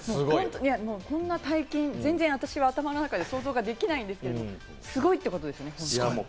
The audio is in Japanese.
こんな大金、頭の中で全然想像できないんですがすごいってことですよね。